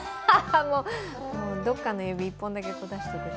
どこかの指一本だけ出してて。